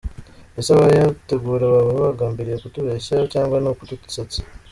Ese abayategura baba bagambiriye kutubeshya cyangwa ni ukudusetsa?